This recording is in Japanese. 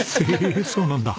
えっそうなんだ。